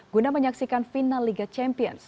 guna menyaksikan final liga champions